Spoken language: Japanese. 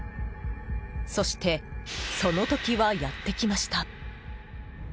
そして、その時はやってきました。